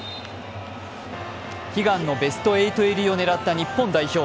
悲願のベスト８入りを狙った日本代表。